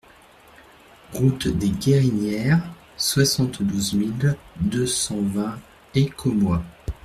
Route des Guérinières, soixante-douze mille deux cent vingt Écommoy